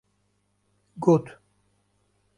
Got: